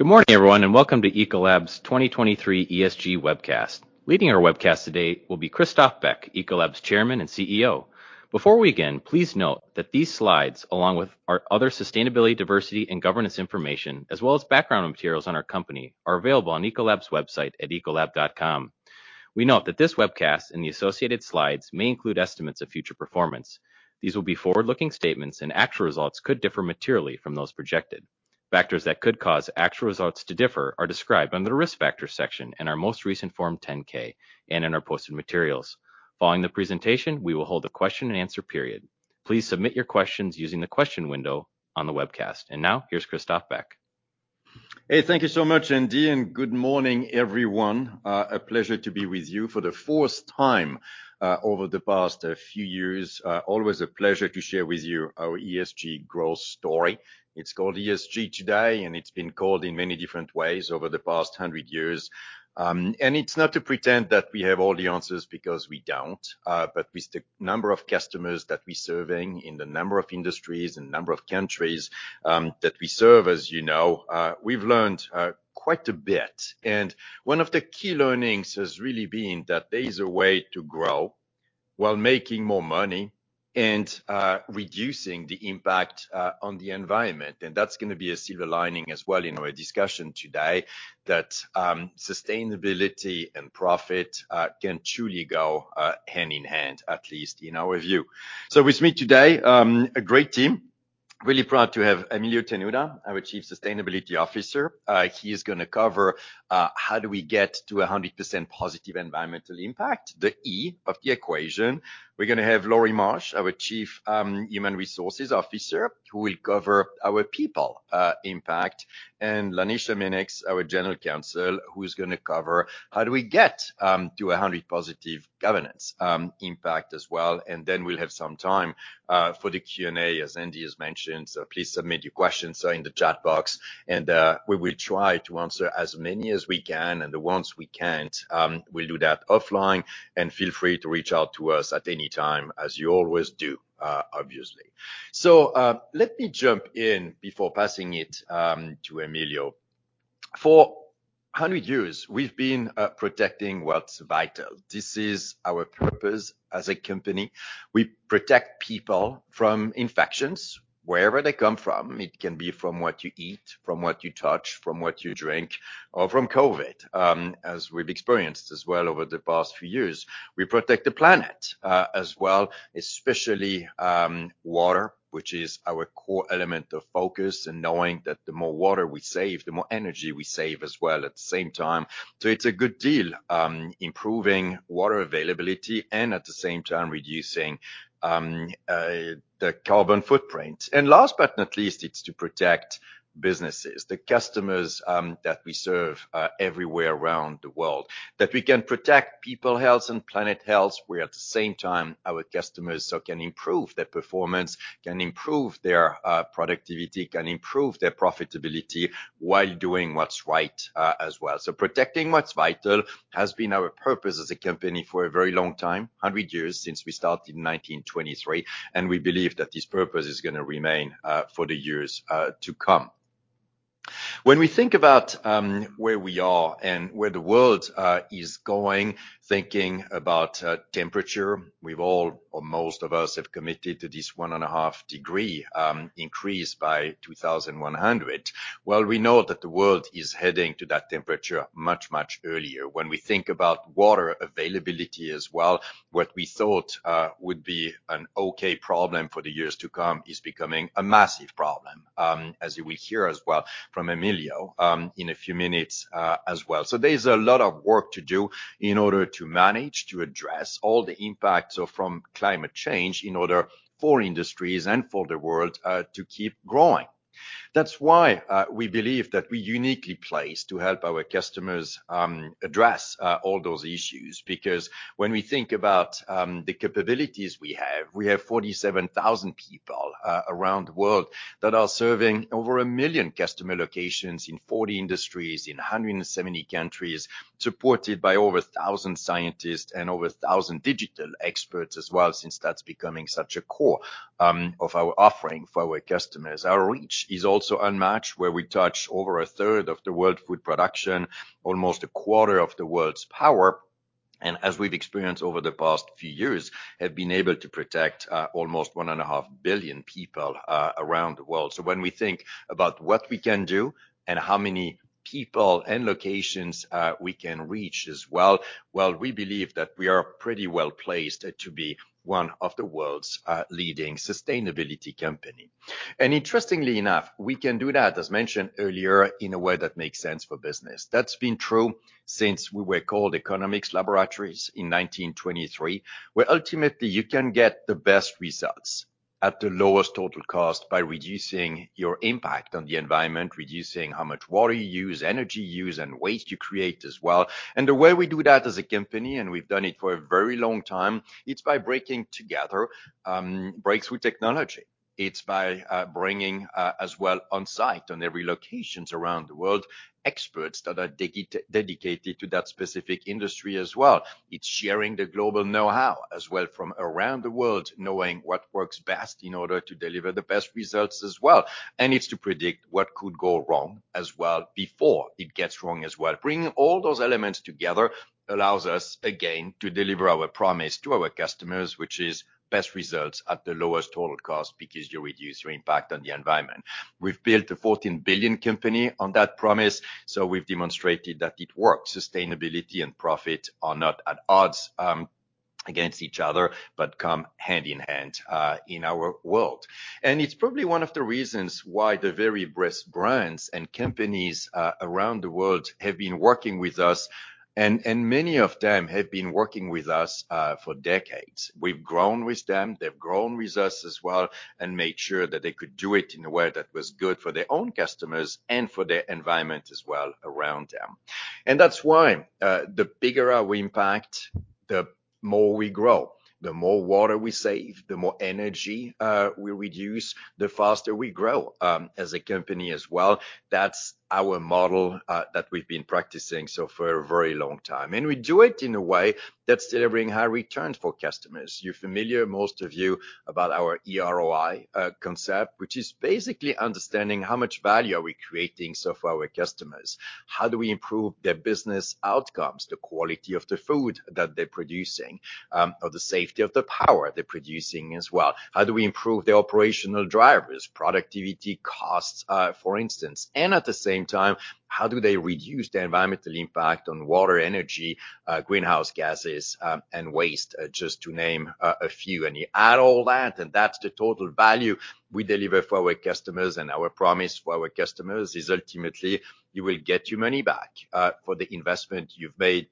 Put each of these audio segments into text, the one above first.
Good morning, everyone, and welcome to Ecolab's 2023 ESG webcast. Leading our webcast today will be Christophe Beck, Ecolab's Chairman and CEO. Before we begin, please note that these slides, along with our other sustainability, diversity, and governance information, as well as background materials on our company, are available on Ecolab's website at ecolab.com. We note that this webcast and the associated slides may include estimates of future performance. These will be forward-looking statements, and actual results could differ materially from those projected. Factors that could cause actual results to differ are described under the Risk Factors section in our most recent Form 10-K and in our posted materials. Following the presentation, we will hold a question and answer period. Please submit your questions using the question window on the webcast. Now, here's Christophe Beck. Thank you so much, Andy, good morning, everyone. A pleasure to be with you for the fourth time over the past few years. Always a pleasure to share with you our ESG growth story. It's called ESG today, it's been called in many different ways over the past 100 years. It's not to pretend that we have all the answers, because we don't. With the number of customers that we're serving in the number of industries and number of countries that we serve, as you know, we've learned quite a bit. One of the key learnings has really been that there is a way to grow while making more money and reducing the impact on the environment. That's gonna be a silver lining as well in our discussion today, that sustainability and profit can truly go hand in hand, at least in our view. With me today, a great team. Really proud to have Emilio Tenuta, our Chief Sustainability Officer. He is gonna cover how do we get to 100% positive environmental impact, the E of the equation? We're gonna have Laurie Marsh, our Chief Human Resources Officer, who will cover our people impact, and Lanesha Minnix, our General Counsel, who's gonna cover how do we get to 100 positive governance impact as well? We'll have some time for the Q&A, as Andy has mentioned. Please submit your questions in the chat box, and we will try to answer as many as we can, and the ones we can't, we'll do that offline, and feel free to reach out to us at any time, as you always do, obviously. Let me jump in before passing it to Emilio. For 100 years, we've been protecting what's vital. This is our purpose as a company. We protect people from infections wherever they come from. It can be from what you eat, from what you touch, from what you drink, or from COVID, as we've experienced as well over the past few years. We protect the planet as well, especially water, which is our core element of focus, and knowing that the more water we save, the more energy we save as well at the same time. It's a good deal, improving water availability and at the same time reducing the carbon footprint. Last but not least, it's to protect businesses, the customers that we serve everywhere around the world. We can protect people health and planet health, where at the same time our customers so can improve their performance, can improve their productivity, can improve their profitability while doing what's right as well. Protecting what's vital has been our purpose as a company for a very long time, 100 years, since we started in 1923. We believe that this purpose is gonna remain for the years to come. When we think about where we are and where the world is going, thinking about temperature, we've all or most of us have committed to this 1.5 degree increase by 2100. Well, we know that the world is heading to that temperature much, much earlier. When we think about water availability as well, what we thought would be an okay problem for the years to come is becoming a massive problem, as you will hear as well from Emilio, in a few minutes, as well. There's a lot of work to do in order to manage, to address all the impacts from climate change, in order for industries and for the world to keep growing. That's why we believe that we're uniquely placed to help our customers address all those issues. When we think about the capabilities we have, we have 47,000 people around the world that are serving over 1 million customer locations in 40 industries, in 170 countries, supported by over 1,000 scientists and over 1,000 digital experts as well, since that's becoming such a core of our offering for our customers. Our reach is also unmatched, where we touch over a third of the world food production, almost a quarter of the world's power, and as we've experienced over the past few years, have been able to protect almost 1.5 billion people around the world. When we think about what we can do and how many people and locations, we can reach as well, we believe that we are pretty well-placed to be one of the world's leading sustainability company. Interestingly enough, we can do that, as mentioned earlier, in a way that makes sense for business. That's been true since we were called Economics Laboratory in 1923, where ultimately you can get the best results at the lowest total cost by reducing your impact on the environment, reducing how much water you use, energy you use, and waste you create as well. The way we do that as a company, and we've done it for a very long time, it's by bringing together breakthrough technology. It's by bringing as well on site, on every locations around the world, experts that are dedicated to that specific industry as well. It's sharing the global know-how as well from around the world, knowing what works best in order to deliver the best results as well. It's to predict what could go wrong as well before it gets wrong as well. Bringing all those elements together allows us, again, to deliver our promise to our customers, which is best results at the lowest total cost because you reduce your impact on the environment. We've built a $14 billion company on that promise, so we've demonstrated that it works. Sustainability and profit are not at odds against each other, but come hand in hand in our world. It's probably one of the reasons why the very best brands and companies around the world have been working with us, and many of them have been working with us for decades. We've grown with them, they've grown with us as well, and made sure that they could do it in a way that was good for their own customers and for their environment as well around them. That's why, the bigger our impact, the more we grow. The more water we save, the more energy we reduce, the faster we grow as a company as well. That's our model that we've been practicing so for a very long time. We do it in a way that's delivering high returns for customers. You're familiar, most of you, about our EROI concept, which is basically understanding how much value are we creating for our customers. How do we improve their business outcomes, the quality of the food that they're producing, or the safety of the power they're producing as well. How do we improve the operational drivers, productivity, costs, for instance, and at the same time, how do they reduce their environmental impact on water, energy, greenhouse gases, and waste, just to name a few. You add all that's the total value we deliver for our customers. Our promise for our customers is ultimately, you will get your money back for the investment you've made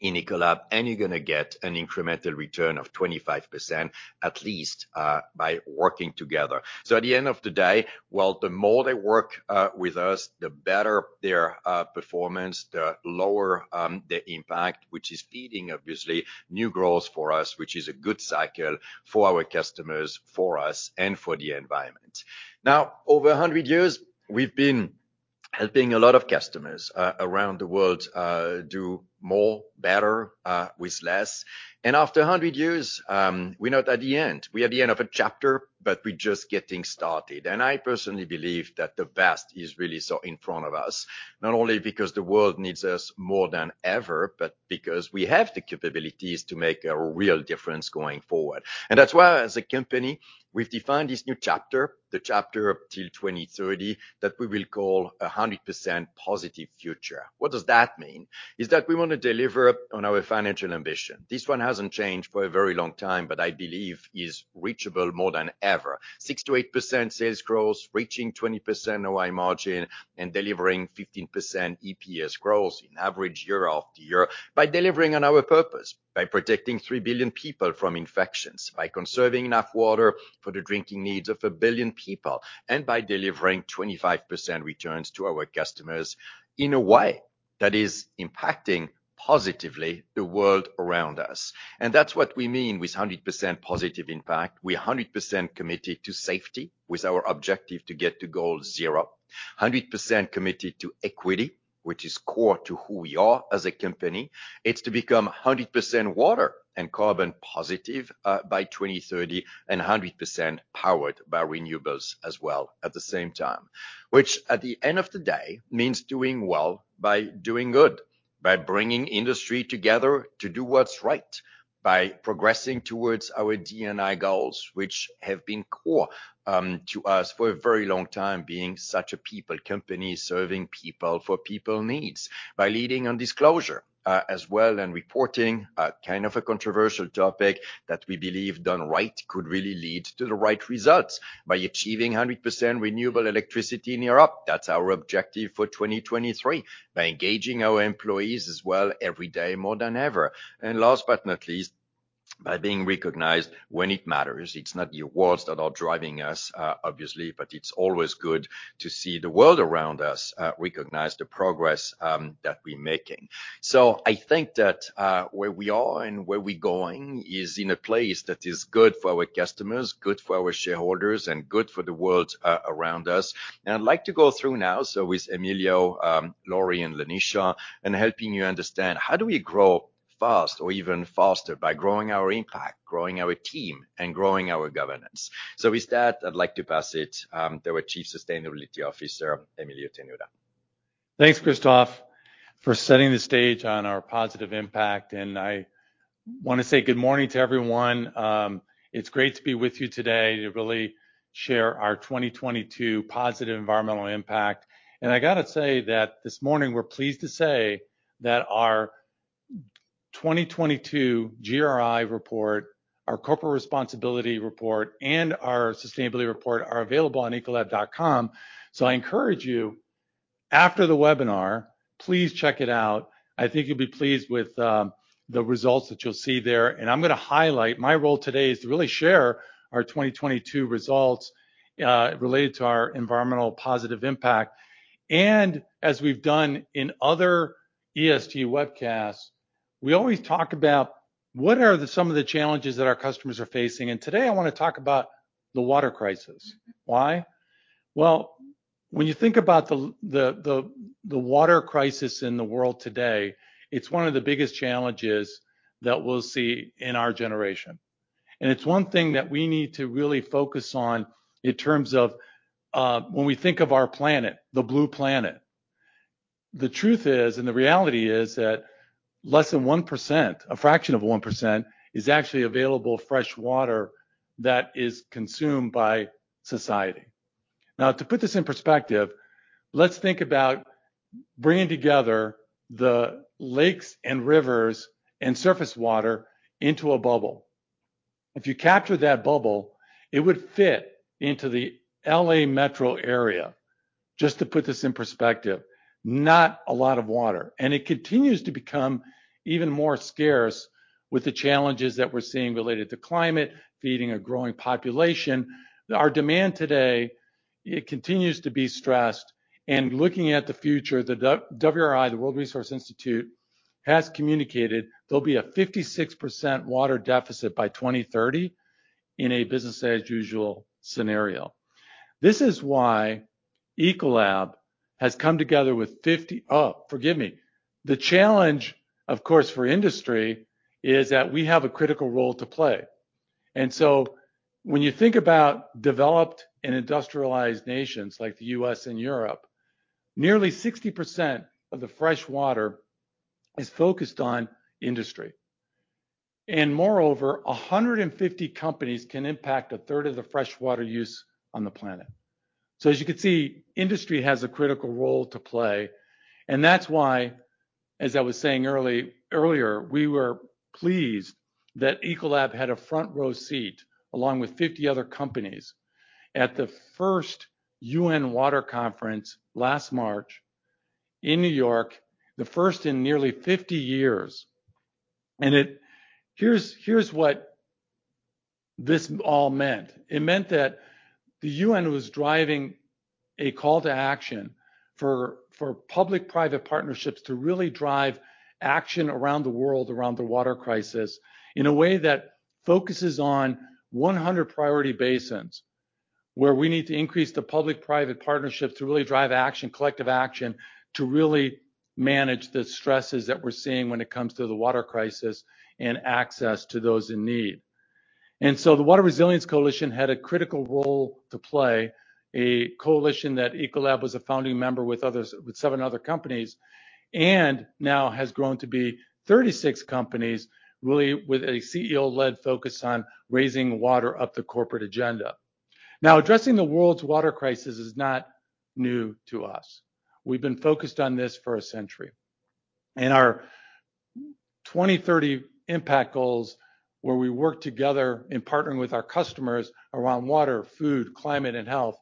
in Ecolab, and you're gonna get an incremental return of 25% at least by working together. At the end of the day, well, the more they work with us, the better their performance, the lower their impact, which is feeding obviously, new growth for us, which is a good cycle for our customers, for us and for the environment. Over 100 years, we've been helping a lot of customers around the world do more, better, with less. After 100 years, we're not at the end. We're at the end of a chapter, but we're just getting started. I personally believe that the best is really so in front of us, not only because the world needs us more than ever, but because we have the capabilities to make a real difference going forward. That's why, as a company, we've defined this new chapter, the chapter up till 2030, that we will call a 100% positive future. What does that mean? Is that we want to deliver on our financial ambition. This one hasn't changed for a very long time, but I believe is reachable more than ever. 6%-8% sales growth, reaching 20% ROI margin, and delivering 15% EPS growth in average year after year by delivering on our purpose. By protecting 3 billion people from infections, by conserving enough water for the drinking needs of 1 billion people, and by delivering 25% returns to our customers in a way that is impacting positively the world around us. That's what we mean with 100% positive impact. We are 100% committed to safety, with our objective to get to Goal Zero. 100% committed to equity, which is core to who we are as a company. It's to become a 100% water and carbon positive, by 2030, and a 100% powered by renewables as well at the same time. At the end of the day, means doing well by doing good, by bringing industry together to do what's right, by progressing towards our DEI goals, which have been core, to us for a very long time, being such a people company, serving people for people needs. By leading on disclosure, as well, and reporting, a kind of a controversial topic that we believe, done right, could really lead to the right results. By achieving 100% renewable electricity in Europe, that's our objective for 2023. By engaging our employees as well every day, more than ever. Last but not least, by being recognized when it matters. It's not the awards that are driving us, obviously, but it's always good to see the world around us, recognize the progress that we're making. I think that where we are and where we're going is in a place that is good for our customers, good for our shareholders and good for the world around us. I'd like to go through now, so with Emilio, Laurie, and Lanesha, in helping you understand: How do we grow fast or even faster? By growing our impact, growing our team, and growing our governance. With that, I'd like to pass it to our Chief Sustainability Officer, Emilio Tenuta. Thanks, Christophe, for setting the stage on our positive impact. I want to say good morning to everyone. It's great to be with you today to really share our 2022 positive environmental impact. I gotta say that this morning, we're pleased to say that our 2022 GRI report, our corporate responsibility report, and our sustainability report are available on ecolab.com. I encourage you, after the webinar, please check it out. I think you'll be pleased with the results that you'll see there. I'm gonna highlight. My role today is to really share our 2022 results related to our environmental positive impact. As we've done in other ESG webcasts, we always talk about what are some of the challenges that our customers are facing? Today, I wanna talk about the water crisis. Why? Well, when you think about the water crisis in the world today, it's one of the biggest challenges that we'll see in our generation. It's one thing that we need to really focus on in terms of when we think of our planet, the blue planet. The truth is, and the reality is, that less than 1%, a fraction of 1%, is actually available fresh water that is consumed by society. To put this in perspective, let's think about bringing together the lakes and rivers and surface water into a bubble. If you capture that bubble, it would fit into the L.A. metro area, just to put this in perspective. Not a lot of water, and it continues to become even more scarce with the challenges that we're seeing related to climate, feeding a growing population. Our demand today, it continues to be stressed. Looking at the future, the WRI, the World Resources Institute, has communicated there'll be a 56% water deficit by 2030 in a business as usual scenario. This is why Ecolab has come together. Oh, forgive me. The challenge, of course, for industry is that we have a critical role to play. When you think about developed and industrialized nations like the US and Europe, nearly 60% of the fresh water is focused on industry. Moreover, 150 companies can impact a third of the fresh water use on the planet. As you can see, industry has a critical role to play, and that's why, as I was saying earlier, we were pleased that Ecolab had a front-row seat, along with 50 other companies, at the first UN Water Conference last March in New York, the first in nearly 50 years. Here's what this all meant. It meant that the UN was driving a call to action for public-private partnerships to really drive action around the world, around the water crisis, in a way that focuses on 100 priority basins, where we need to increase the public-private partnership to really drive action, collective action, to really manage the stresses that we're seeing when it comes to the water crisis and access to those in need. The Water Resilience Coalition had a critical role to play, a coalition that Ecolab was a founding member with others, with seven other companies, and now has grown to be 36 companies, really with a CEO-led focus on raising water up the corporate agenda. Addressing the world's water crisis is not new to us. We've been focused on this for a century, and our 2030 impact goals, where we work together in partnering with our customers around water, food, climate, and health,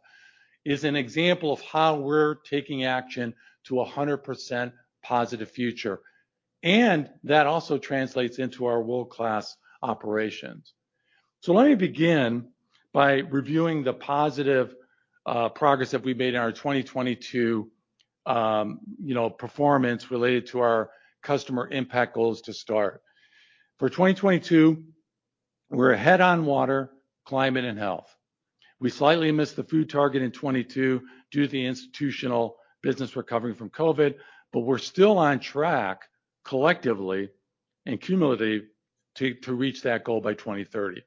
is an example of how we're taking action to a 100% positive future. That also translates into our world-class operations. Let me begin by reviewing the positive progress that we made in our 2022, you know, performance related to our customer impact goals to start. For 2022, we're ahead on water, climate, and health. We slightly missed the food target in 2022 due to the institutional business recovering from COVID. We're still on track collectively and cumulatively to reach that goal by 2030.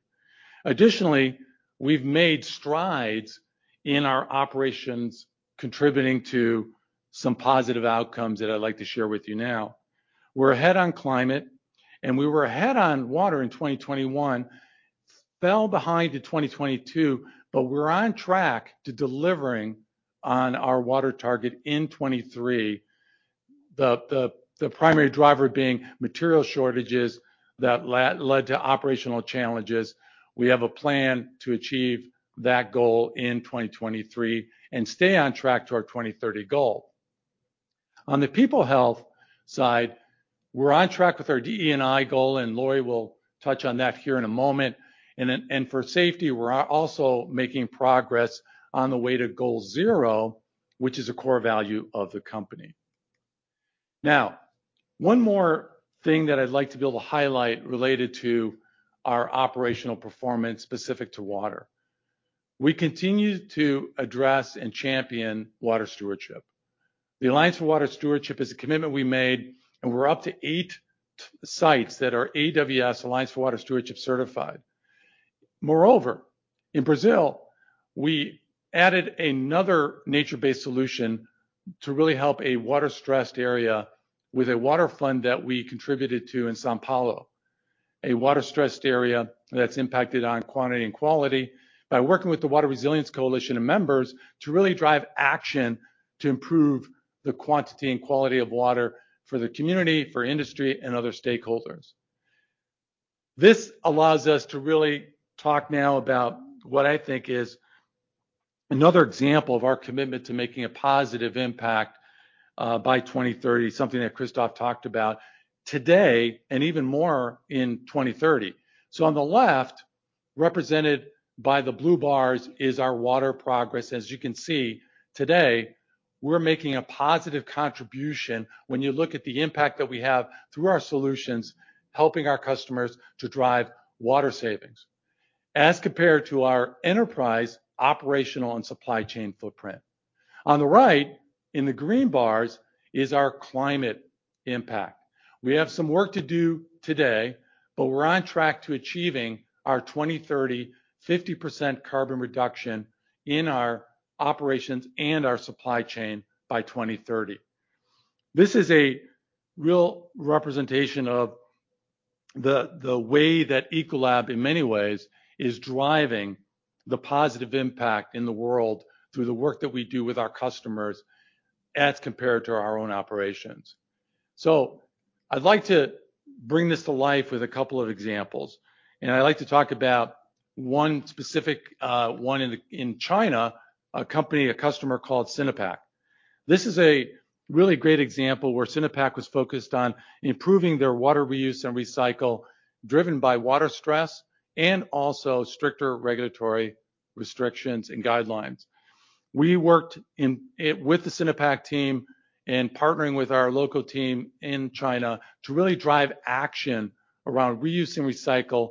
Additionally, we've made strides in our operations, contributing to some positive outcomes that I'd like to share with you now. We're ahead on climate. We were ahead on water in 2021, fell behind in 2022. We're on track to delivering on our water target in 2023. The primary driver being material shortages that led to operational challenges. We have a plan to achieve that goal in 2023 and stay on track to our 2030 goal. On the people health side, we're on track with our DE&I goal. Laurie will touch on that here in a moment. For safety, we're also making progress on the way to Goal Zero, which is a core value of the company. One more thing that I'd like to be able to highlight related to our operational performance specific to water. We continue to address and champion water stewardship. The Alliance for Water Stewardship is a commitment we made, and we're up to eight sites that are AWS, Alliance for Water Stewardship certified. In Brazil, we added another nature-based solution to really help a water-stressed area with a water fund that we contributed to in São Paulo, a water-stressed area that's impacted on quantity and quality, by working with the Water Resilience Coalition and members to really drive action to improve the quantity and quality of water for the community, for industry, and other stakeholders. This allows us to really talk now about what I think is another example of our commitment to making a positive impact by 2030, something that Christophe talked about today and even more in 2030. On the left, represented by the blue bars, is our water progress. As you can see, today, we're making a positive contribution when you look at the impact that we have through our solutions, helping our customers to drive water savings, as compared to our enterprise, operational, and supply chain footprint. On the right, in the green bars, is our climate impact. We have some work to do today, but we're on track to achieving our 2030, 50% carbon reduction in our operations and our supply chain by 2030. This is a real representation of the way that Ecolab, in many ways, is driving the positive impact in the world through the work that we do with our customers as compared to our own operations. I'd like to bring this to life with a couple of examples, and I'd like to talk about one specific one in China, a company, a customer called Sinopec. This is a really great example where Sinopec was focused on improving their water reuse and recycle, driven by water stress and also stricter regulatory restrictions and guidelines. We worked with the Sinopec team and partnering with our local team in China to really drive action around reuse and recycle,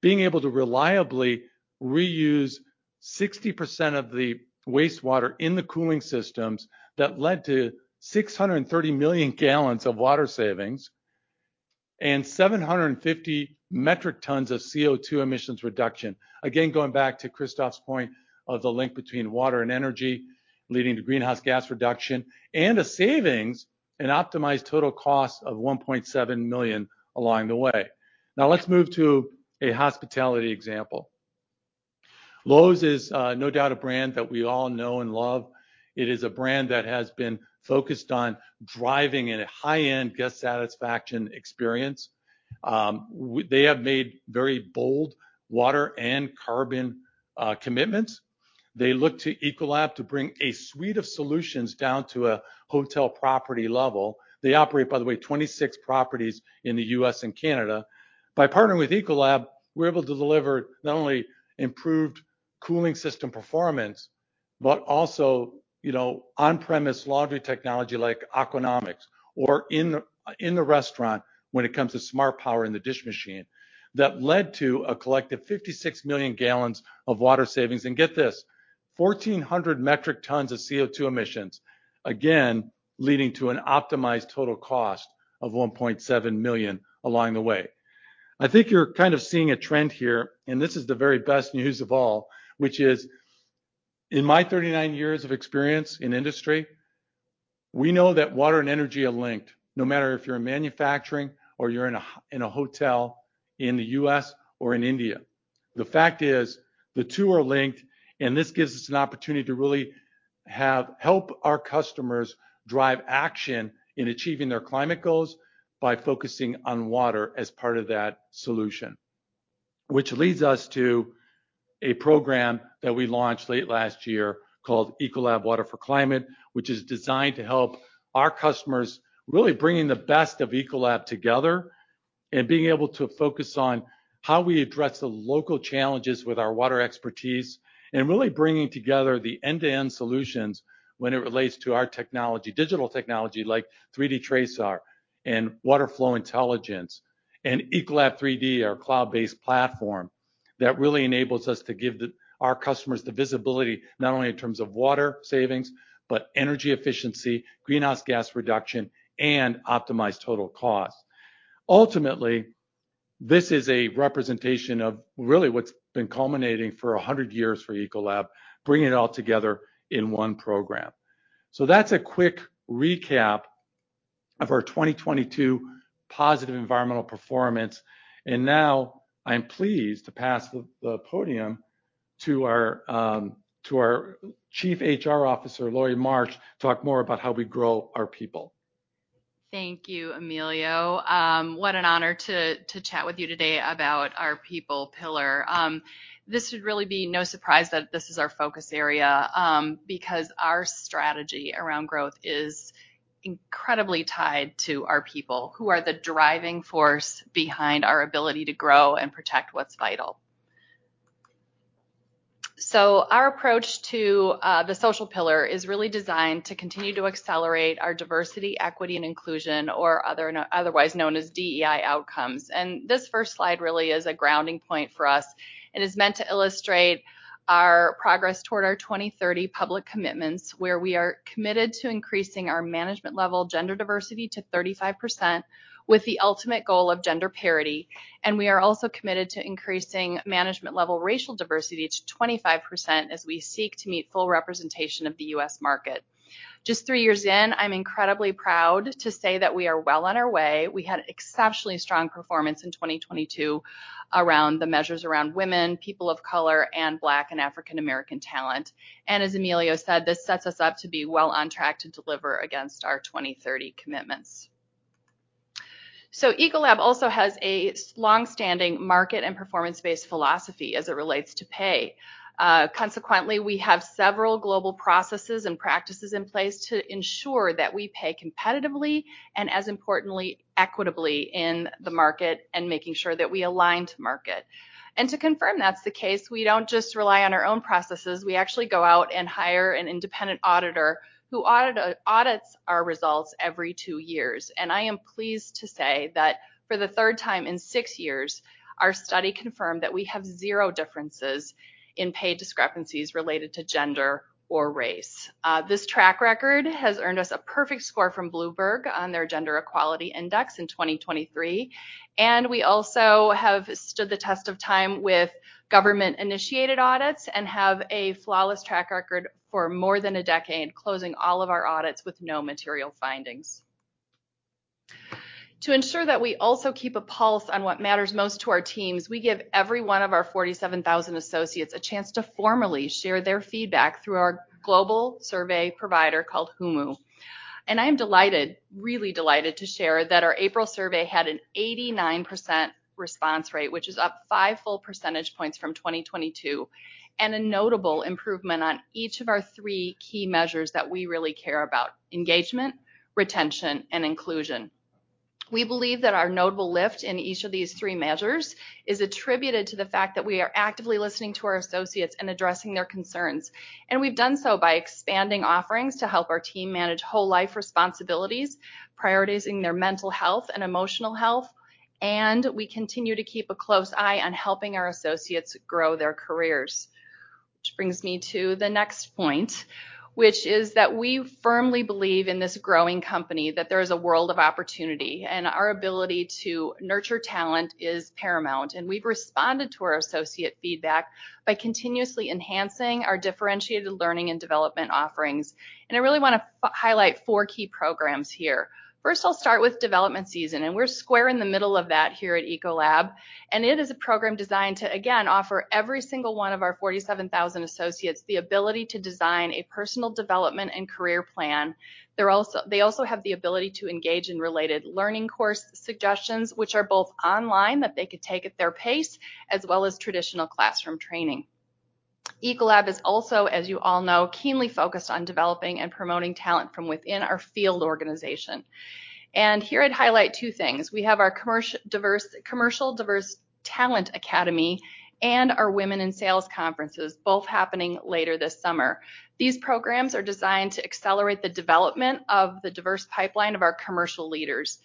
being able to reliably reuse 60% of the wastewater in the cooling systems that led to 630 million gallons of water savings and 750 metric tons of CO₂ emissions reduction. Going back to Christophe's point of the link between water and energy, leading to greenhouse gas reduction and a savings and optimized total cost of $1.7 million along the way. Let's move to a hospitality example. Loews is no doubt a brand that we all know and love. It is a brand that has been focused on driving in a high-end guest satisfaction experience. They have made very bold water and carbon commitments. They look to Ecolab to bring a suite of solutions down to a hotel property level. They operate, by the way, 26 properties in the US and Canada. By partnering with Ecolab, we're able to deliver not only improved cooling system performance, but also, you know, on-premise laundry technology like Aquanomic, or in the restaurant when it comes to SmartPower in the dish machine. That led to a collective 56 million gallons of water savings, and get this, 1,400 metric tons of CO₂ emissions, again, leading to an optimized total cost of $1.7 million along the way. I think you're kind of seeing a trend here, and this is the very best news of all, which is, in my 39 years of experience in industry, we know that water and energy are linked, no matter if you're in manufacturing or you're in a hotel in the US or in India. The fact is, the two are linked, and this gives us an opportunity to really help our customers drive action in achieving their climate goals by focusing on water as part of that solution. Leads us to a program that we launched late last year called Ecolab Water for Climate, which is designed to help our customers, really bringing the best of Ecolab together, and being able to focus on how we address the local challenges with our water expertise, and really bringing together the end-to-end solutions when it relates to our technology. Digital technology, like 3D TRASAR and Water Flow Intelligence, and Ecolab3D, our cloud-based platform, that really enables us to give our customers the visibility, not only in terms of water savings, but energy efficiency, greenhouse gas reduction, and optimized total cost. Ultimately, this is a representation of really what's been culminating for 100 years for Ecolab, bringing it all together in one program. That's a quick recap of our 2022 positive environmental performance, now I'm pleased to pass the podium to our, to our Chief HR Officer, Laurie Marsh, to talk more about how we grow our people. Thank you, Emilio. What an honor to chat with you today about our people pillar. This should really be no surprise that this is our focus area, because our strategy around growth is incredibly tied to our people, who are the driving force behind our ability to grow and protect what's vital. Our approach to the social pillar is really designed to continue to accelerate our diversity, equity, and inclusion, or otherwise known as DEI outcomes. This first slide really is a grounding point for us and is meant to illustrate our progress toward our 2030 public commitments, where we are committed to increasing our management level gender diversity to 35%, with the ultimate goal of gender parity. We are also committed to increasing management level racial diversity to 25% as we seek to meet full representation of the U.S. market. Just three years in, I'm incredibly proud to say that we are well on our way. We had exceptionally strong performance in 2022 around the measures around women, people of color, and Black and African American talent. As Emilio said, this sets us up to be well on track to deliver against our 2030 commitments. Ecolab also has a long-standing market and performance-based philosophy as it relates to pay. Consequently, we have several global processes and practices in place to ensure that we pay competitively and, as importantly, equitably in the market and making sure that we align to market. To confirm that's the case, we don't just rely on our own processes. We actually go out and hire an independent auditor who audits our results every two years. I am pleased to say that for the third time in six years, our study confirmed that we have zero differences in pay discrepancies related to gender or race. This track record has earned us a perfect score from Bloomberg on their Gender-Equality Index in 2023. We also have stood the test of time with government-initiated audits and have a flawless track record for more than a decade, closing all of our audits with no material findings. To ensure that we also keep a pulse on what matters most to our teams, we give every one of our 47,000 associates a chance to formally share their feedback through our global survey provider called Humu. I am delighted, really delighted to share that our April survey had an 89% response rate, which is up five full percentage points from 2022, and a notable improvement on each of our three key measures that we really care about: engagement, retention, and inclusion. We believe that our notable lift in each of these three measures is attributed to the fact that we are actively listening to our associates and addressing their concerns. We've done so by expanding offerings to help our team manage whole life responsibilities, prioritizing their mental health and emotional health, and we continue to keep a close eye on helping our associates grow their careers. Which brings me to the next point, which is that we firmly believe in this growing company, that there is a world of opportunity, and our ability to nurture talent is paramount. We've responded to our associate feedback by continuously enhancing our differentiated learning and development offerings. I really want to highlight four key programs here. First, I'll start with development season, we're square in the middle of that here at Ecolab, it is a program designed to, again, offer every single one of our 47,000 associates the ability to design a personal development and career plan. They also have the ability to engage in related learning course suggestions, which are both online, that they could take at their pace, as well as traditional classroom training. Ecolab is also, as you all know, keenly focused on developing and promoting talent from within our field organization. Here I'd highlight two things: We have our Commercial Diverse Talent Academy, and our Women in Sales conferences, both happening later this summer. These programs are designed to accelerate the development of the diverse pipeline of our commercial leaders.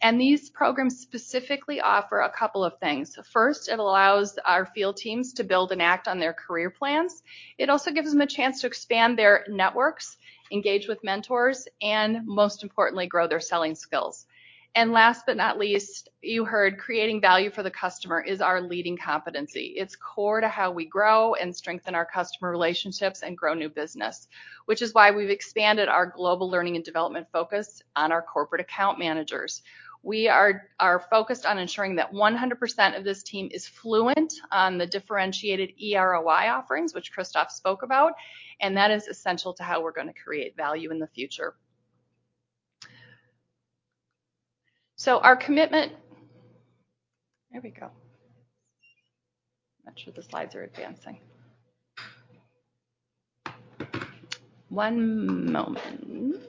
These programs specifically offer a couple of things. First, it allows our field teams to build and act on their career plans. It also gives them a chance to expand their networks, engage with mentors, and most importantly, grow their selling skills. Last but not least, you heard creating value for the customer is our leading competency. It's core to how we grow and strengthen our customer relationships and grow new business, which is why we've expanded our global learning and development focus on our corporate account managers. We are focused on ensuring that 100% of this team is fluent on the differentiated EROI offerings, which Christophe spoke about, and that is essential to how we're going to create value in the future. Our commitment. There we go. Not sure the slides are advancing. One moment.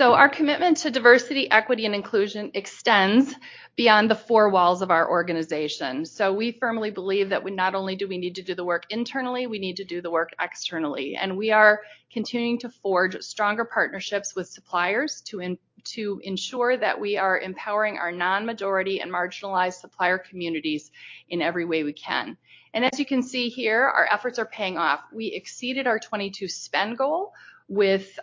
Our commitment to Diversity, Equity, and Inclusion extends beyond the four walls of our organization. We firmly believe that we not only do we need to do the work internally, we need to do the work externally. We are continuing to forge stronger partnerships with suppliers to ensure that we are empowering our non-majority and marginalized supplier communities in every way we can. As you can see here, our efforts are paying off. We exceeded our 2022 spend goal with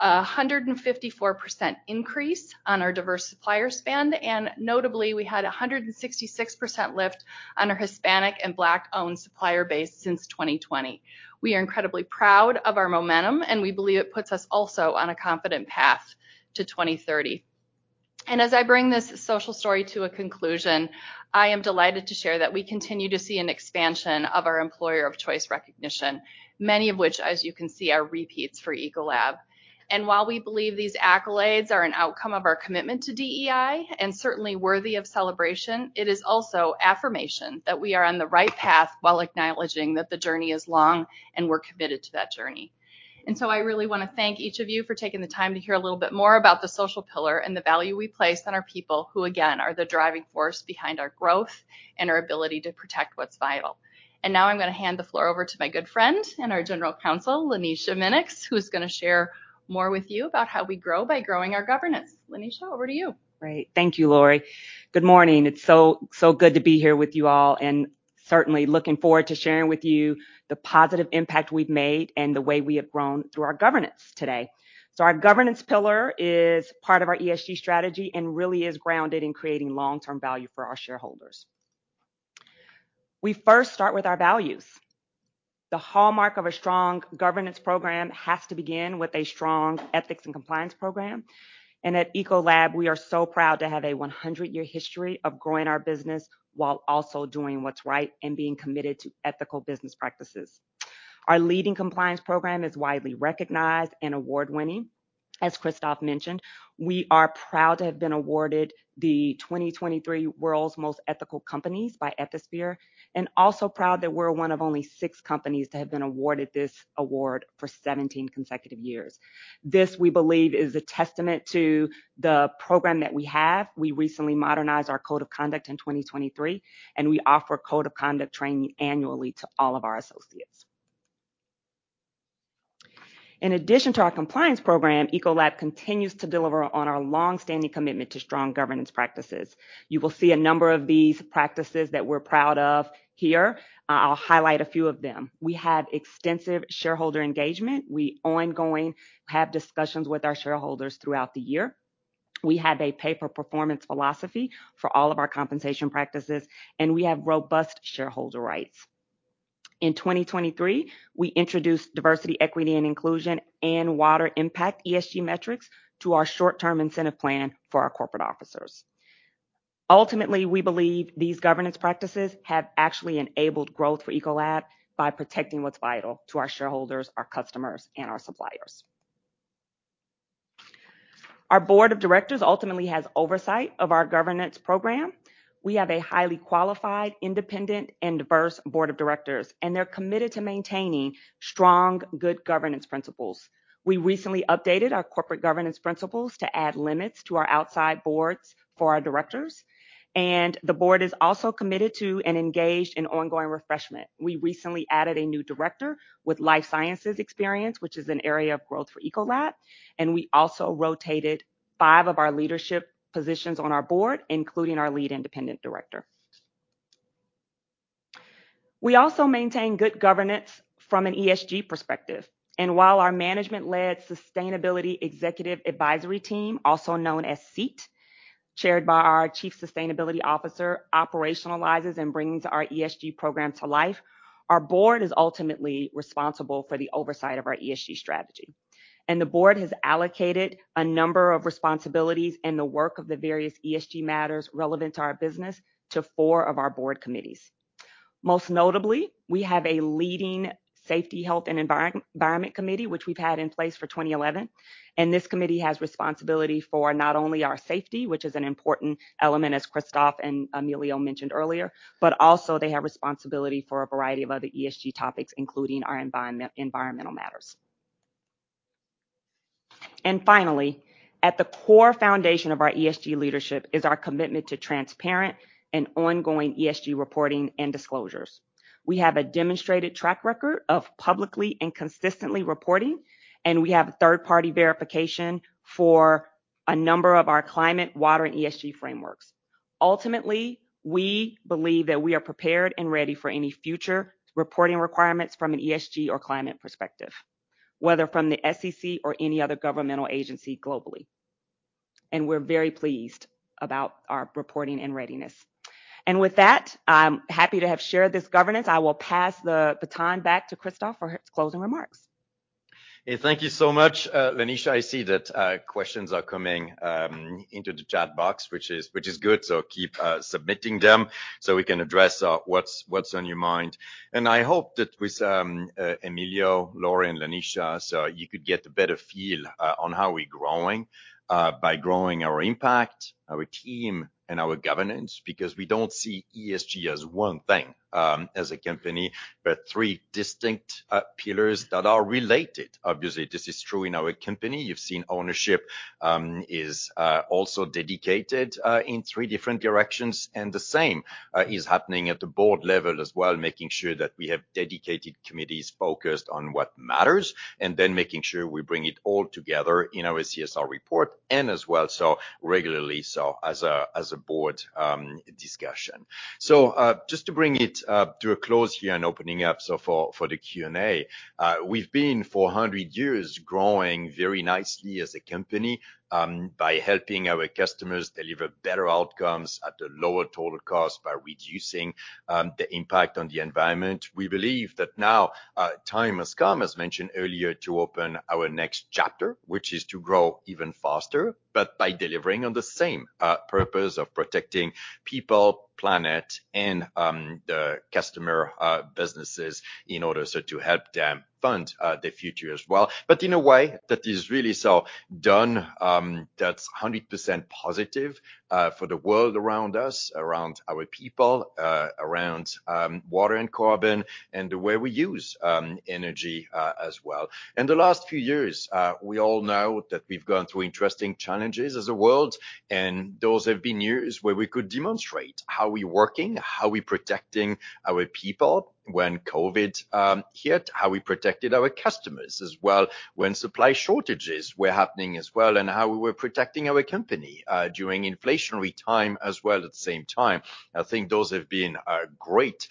a 154% increase on our diverse supplier spend, and notably, we had a 166% lift on our Hispanic and Black-owned supplier base since 2020. We are incredibly proud of our momentum, and we believe it puts us also on a confident path to 2030. As I bring this social story to a conclusion, I am delighted to share that we continue to see an expansion of our employer of choice recognition. Many of which, as you can see, are repeats for Ecolab. While we believe these accolades are an outcome of our commitment to DEI, and certainly worthy of celebration, it is also affirmation that we are on the right path, while acknowledging that the journey is long and we're committed to that journey. I really want to thank each of you for taking the time to hear a little bit more about the social pillar and the value we place on our people, who again, are the driving force behind our growth and our ability to protect what's vital. Now I'm going to hand the floor over to my good friend and our General Counsel, Lanesha Minnix, who's going to share more with you about how we grow by growing our governance. Lanesha, over to you. Great. Thank you, Laurie. Good morning. It's so good to be here with you all, certainly looking forward to sharing with you the positive impact we've made and the way we have grown through our governance today. Our governance pillar is part of our ESG strategy and really is grounded in creating long-term value for our shareholders. We first start with our values. The hallmark of a strong governance program has to begin with a strong ethics and compliance program. At Ecolab, we are so proud to have a 100-year history of growing our business while also doing what's right and being committed to ethical business practices. Our leading compliance program is widely recognized and award-winning. As Christophe mentioned, we are proud to have been awarded the 2023 World's Most Ethical Companies by Ethisphere. Also proud that we're one of only six companies to have been awarded this award for 17 consecutive years. This, we believe, is a testament to the program that we have. We recently modernized our code of conduct in 2023. We offer code of conduct training annually to all of our associates. In addition to our compliance program, Ecolab continues to deliver on our long-standing commitment to strong governance practices. You will see a number of these practices that we're proud of here. I'll highlight a few of them. We have extensive shareholder engagement. We ongoing have discussions with our shareholders throughout the year. We have a pay for performance philosophy for all of our compensation practices. We have robust shareholder rights. In 2023, we introduced Diversity, Equity, and Inclusion and water impact ESG metrics to our short-term incentive plan for our corporate officers. Ultimately, we believe these governance practices have actually enabled growth for Ecolab by protecting what's vital to our shareholders, our customers, and our suppliers. Our board of directors ultimately has oversight of our governance program. We have a highly qualified, independent, and diverse board of directors, and they're committed to maintaining strong, good governance principles. We recently updated our corporate governance principles to add limits to our outside boards for our directors, and the board is also committed to and engaged in ongoing refreshment. We recently added a new director with life sciences experience, which is an area of growth for Ecolab, and we also rotated five of our leadership positions on our board, including our lead independent director. We also maintain good governance from an ESG perspective, and while our management-led Sustainability Executive Advisory Team, also known as SEAT, chaired by our Chief Sustainability Officer, operationalizes and brings our ESG program to life, our board is ultimately responsible for the oversight of our ESG strategy. The board has allocated a number of responsibilities and the work of the various ESG matters relevant to our business to four of our board committees. Most notably, we have a leading safety, health, and environment committee, which we've had in place for 2011, and this committee has responsibility for not only our safety, which is an important element, as Christophe and Emilio mentioned earlier, but also they have responsibility for a variety of other ESG topics, including our environmental matters. Finally, at the core foundation of our ESG leadership is our commitment to transparent and ongoing ESG reporting and disclosures. We have a demonstrated track record of publicly and consistently reporting, and we have third-party verification for a number of our climate, water, and ESG frameworks. Ultimately, we believe that we are prepared and ready for any future reporting requirements from an ESG or climate perspective, whether from the SEC or any other governmental agency globally. We're very pleased about our reporting and readiness. With that, I'm happy to have shared this governance. I will pass the baton back to Christophe for his closing remarks. Hey, thank you so much, Lanesha. I see that questions are coming into the chat box, which is good, so keep submitting them so we can address what's on your mind. I hope that with Emilio, Laurie, and Lanesha, so you could get a better feel on how we're growing by growing our impact, our team, and our governance, because we don't see ESG as one thing as a company, but three distinct pillars that are related. Obviously, this is true in our company. You've seen ownership is also dedicated in three different directions, and the same is happening at the board level as well, making sure that we have dedicated committees focused on what matters, and then making sure we bring it all together in our CSR report, and as well, so regularly, so as a board discussion. Just to bring it to a close here and opening up for the Q&A. We've been, for 100 years, growing very nicely as a company by helping our customers deliver better outcomes at a lower total cost by reducing the impact on the environment. We believe that now, time has come, as mentioned earlier, to open our next chapter, which is to grow even faster, but by delivering on the same, purpose of protecting people, planet, and, the customer, businesses in order so to help them fund, the future as well. In a way that is really so done, that's 100% positive, for the world around us, around our people, around, water and carbon, and the way we use, energy, as well. In the last few years, we all know that we've gone through interesting challenges as a world, and those have been years where we could demonstrate how we working, how we protecting our people when COVID hit, how we protected our customers as well when supply shortages were happening as well, and how we were protecting our company during inflationary time as well at the same time. I think those have been great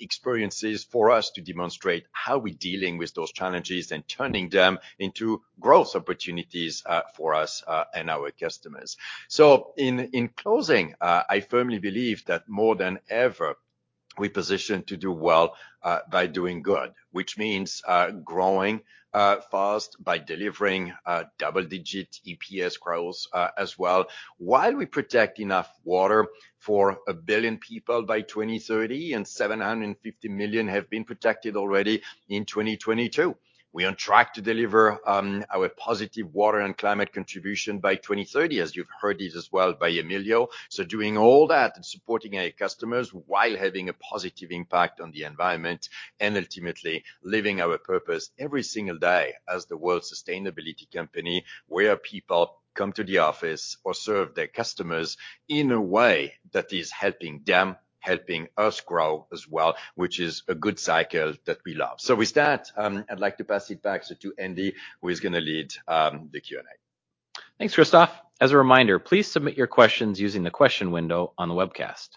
experiences for us to demonstrate how we're dealing with those challenges and turning them into growth opportunities for us and our customers. In closing, I firmly believe that more than ever, we're positioned to do well by doing good, which means growing fast by delivering double-digit EPS growth as well, while we protect enough water for 1 billion people by 2030, and 750 million have been protected already in 2022. We are on track to deliver our positive water and climate contribution by 2030, as you've heard this as well by Emilio. Doing all that and supporting our customers while having a positive impact on the environment, and ultimately living our purpose every single day as the world's sustainability company, where people come to the office or serve their customers in a way that is helping them, helping us grow as well, which is a good cycle that we love. With that, I'd like to pass it back so to Andy, who is going to lead the Q&A. Thanks, Christophe. As a reminder, please submit your questions using the question window on the webcast.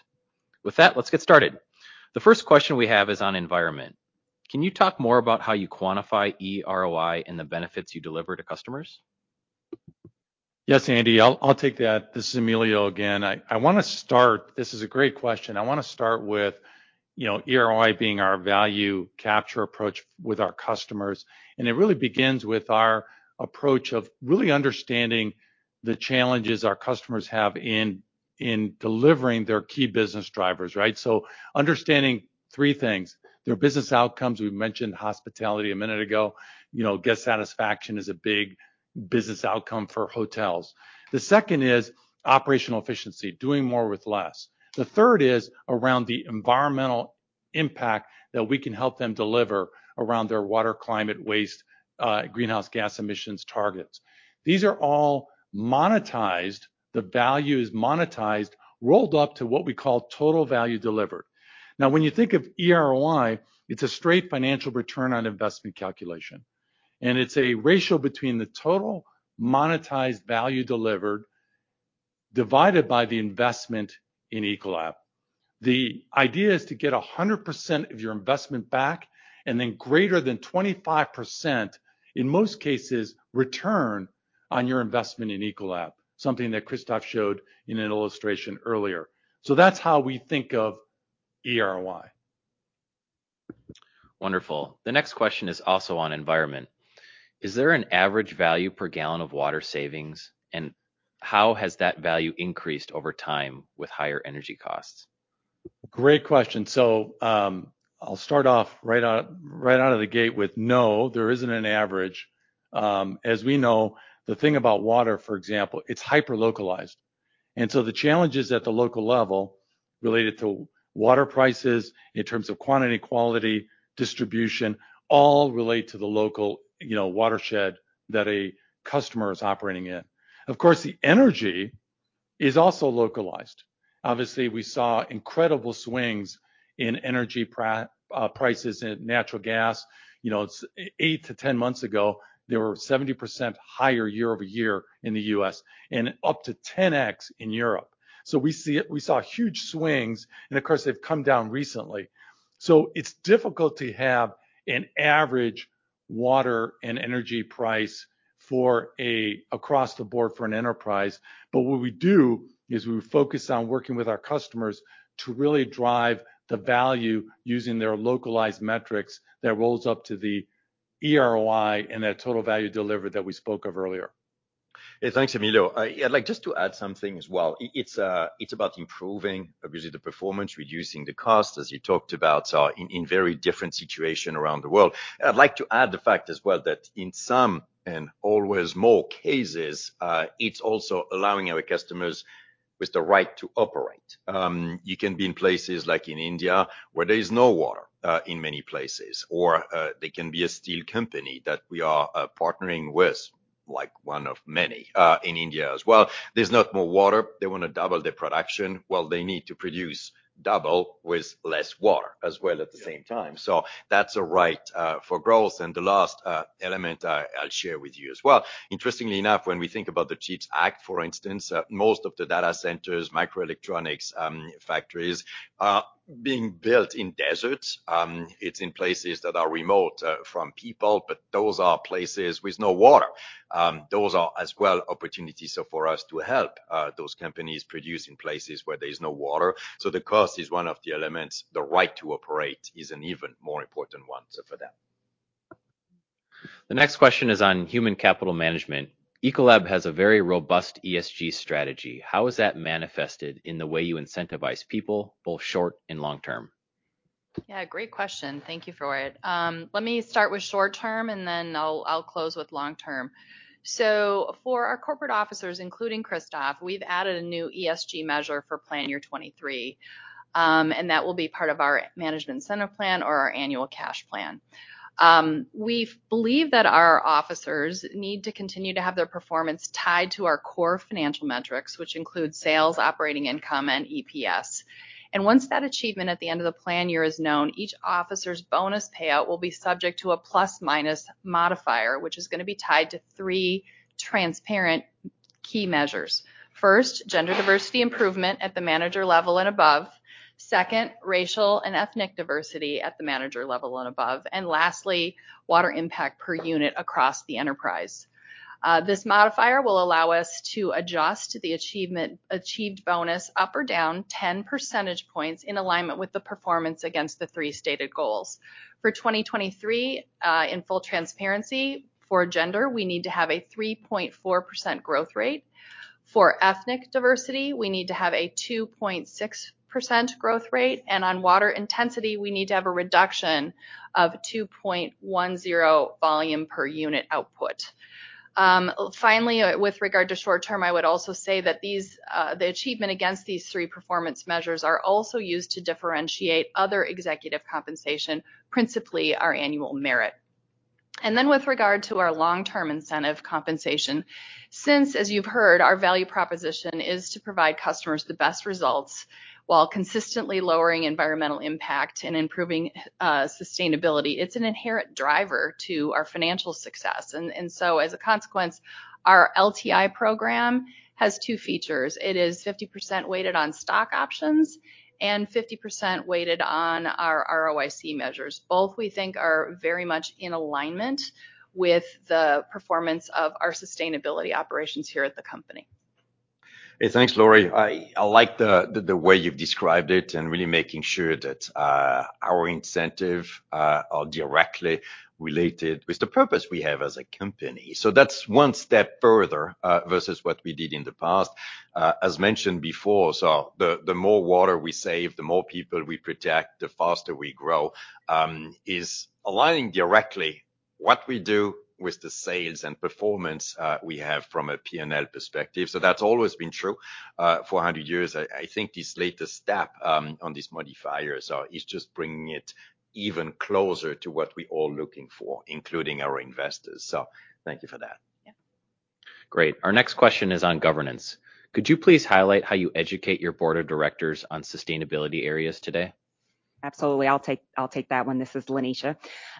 With that, let's get started. The first question we have is on environment: Can you talk more about how you quantify EROI and the benefits you deliver to customers? Yes, Andy, I'll take that. This is Emilio again. I wanna start, this is a great question. I wanna start with, you know, EROI being our value capture approach with our customers. It really begins with our approach of really understanding the challenges our customers have in delivering their key business drivers, right? Understanding three things: their business outcomes, we've mentioned hospitality a minute ago. You know, guest satisfaction is a big business outcome for hotels. The second is operational efficiency, doing more with less. The third is around the environmental impact that we can help them deliver around their water, climate, waste, greenhouse gas emissions targets. These are all monetized. The value is monetized, rolled up to what we call total value delivered. When you think of EROI, it's a straight financial return on investment calculation, and it's a ratio between the total monetized value delivered, divided by the investment in Ecolab. The idea is to get 100% of your investment back, and then greater than 25%, in most cases, return on your investment in Ecolab, something that Christophe showed in an illustration earlier. That's how we think of EROI. Wonderful. The next question is also on environment: Is there an average value per gallon of water savings, and how has that value increased over time with higher energy costs? Great question. I'll start off right out, right out of the gate with no, there isn't an average. As we know, the thing about water, for example, it's hyper-localized. The challenges at the local level related to water prices in terms of quantity, quality, distribution, all relate to the local, you know, watershed that a customer is operating in. Of course, the energy is also localized. Obviously, we saw incredible swings in energy prices in natural gas. You know, eight to 10 months ago, they were 70% higher year-over-year in the U.S. and up to 10x in Europe. We saw huge swings, and of course, they've come down recently. It's difficult to have an average water and energy price for a, across the board for an enterprise. What we do, is we focus on working with our customers to really drive the value using their localized metrics that rolls up to the EROI and their total value delivered that we spoke of earlier. Yeah, thanks, Emilio. I'd like just to add something as well. It, it's about improving, obviously, the performance, reducing the cost, as you talked about, in very different situation around the world. I'd like to add the fact as well, that in some and always more cases, it's also allowing our customers with the right to operate. You can be in places like in India, where there is no water, in many places, or they can be a steel company that we are partnering with, like one of many, in India as well. There's not more water. They wanna double their production. Well, they need to produce double with less water as well at the same time. That's a right for growth. The last element I'll share with you as well. Interestingly enough, when we think about the CHIPS Act, for instance, most of the data centers, microelectronics, factories are being built in deserts. It's in places that are remote, from people, but those are places with no water. Those are as well, opportunities so for us to help, those companies produce in places where there is no water. The cost is one of the elements. The right to operate is an even more important one, so for them. The next question is on human capital management. Ecolab has a very robust ESG strategy. How is that manifested in the way you incentivize people, both short and long term? Yeah, great question. Thank you for it. Let me start with short term, and then I'll close with long term. For our corporate officers, including Christophe, we've added a new ESG measure for plan year 2023, and that will be part of our management center plan or our annual cash plan. We've believe that our officers need to continue to have their performance tied to our core financial metrics, which include sales, operating income, and EPS. Once that achievement at the end of the plan year is known, each officer's bonus payout will be subject to a plus/minus modifier, which is gonna be tied to three transparent key measures. First, gender diversity improvement at the manager level and above. Second, racial and ethnic diversity at the manager level and above. Lastly, water impact per unit across the enterprise. This modifier will allow us to adjust the achievement, achieved bonus up or down 10 percentage points in alignment with the performance against the three stated goals. For 2023, in full transparency, for gender, we need to have a 3.4% growth rate. For ethnic diversity, we need to have a 2.6% growth rate, and on water intensity, we need to have a reduction of 2.10 volume per unit output. Finally, with regard to short term, I would also say that these, the achievement against these three performance measures are also used to differentiate other executive compensation, principally our annual merit. With regard to our long-term incentive compensation, since, as you've heard, our value proposition is to provide customers the best results while consistently lowering environmental impact and improving sustainability, it's an inherent driver to our financial success. As a consequence, our LTI program has two features. It is 50% weighted on stock options and 50% weighted on our ROIC measures. Both, we think, are very much in alignment with the performance of our sustainability operations here at the company. Hey, thanks, Laurie. I like the way you've described it and really making sure that our incentive are directly related with the purpose we have as a company. That's one step further versus what we did in the past. As mentioned before, so the more water we save, the more people we protect, the faster we grow, is aligning directly what we do with the sales and performance we have from a P&L perspective. That's always been true for 100 years. I think this latest step on these modifiers, is just bringing it even closer to what we're all looking for, including our investors. Thank you for that. Yeah. Great. Our next question is on governance. Could you please highlight how you educate your board of directors on sustainability areas today? Absolutely. I'll take that one. This is Lanesha.